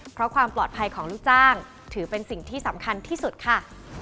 เพราะความปลอดภัยของลูกจ้างถือเป็นสิ่งที่สำคัญที่สุดค่ะ